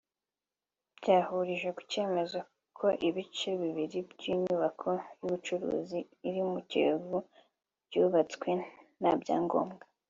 byahurije ku cyemezo ko ibice bibiri by’inyubako y’ubucuruzi iri mu Kiyovu byubatswe nta byangombwa